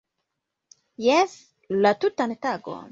Jes! - La tutan tagon